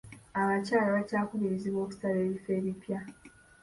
Abakyala bakyakubirizibwa okusaba ebifo ebipya.